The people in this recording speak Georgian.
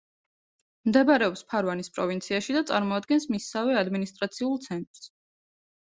მდებარეობს ფარვანის პროვინციაში და წარმოადგენს მისსავე ადმინისტრაციულ ცენტრს.